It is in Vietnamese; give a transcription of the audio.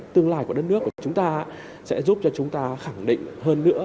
tương lai của đất nước của chúng ta sẽ giúp cho chúng ta khẳng định hơn nữa